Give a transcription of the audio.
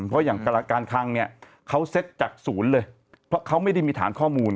เพราะอย่างการคังเนี่ยเขาเซ็ตจากศูนย์เลยเพราะเขาไม่ได้มีฐานข้อมูล